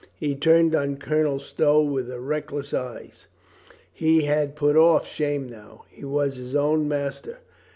He turned on Colonel Stow with reck less eyes. He had put off shame now. He was his own master.